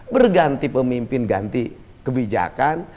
berganti pemimpin ganti kebijakan